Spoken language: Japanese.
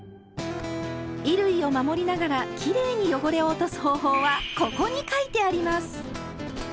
衣類を守りながらきれいに汚れを落とす方法は「ここ」に書いてあります！